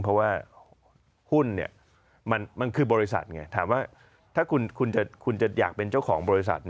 เพราะว่าหุ้นมันคือบริษัทไงถามว่าถ้าคุณจะอยากเป็นเจ้าของบริษัท